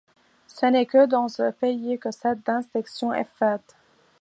Ce n'est que dans ce pays que cette distinction est faite.